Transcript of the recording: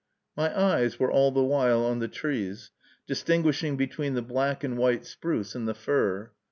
My eyes were all the while on the trees, distinguishing between the black and white spruce and the fir.